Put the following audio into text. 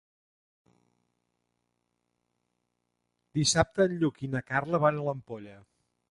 Dissabte en Lluc i na Carla van a l'Ampolla.